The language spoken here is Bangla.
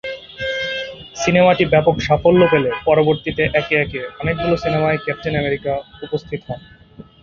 সিনেমাটি ব্যাপক সাফল্য পেলে পরবর্তীতে একে একে অনেকগুলো সিনেমায় ক্যাপ্টেন আমেরিকা উপস্থিত হন।